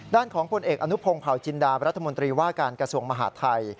ด้านของผลเอกอนุพงศ์เผาจินดารัฐมนตรีว่าการกระทรวงมหาดไทย